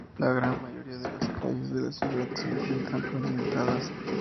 La gran mayoría de las calles de la ciudad se encuentran pavimentadas.